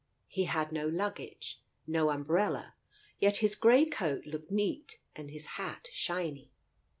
He had no luggage, no umbrella, yet his grey coat looked neat, and his hat shiny.